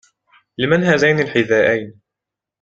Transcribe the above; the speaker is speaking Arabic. لمن هذين الحذائين ؟